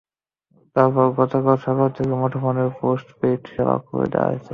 তারপর গতকাল সকাল থেকে মুঠোফোনের পোস্ট পেইড সেবা খুলে দেওয়া হয়।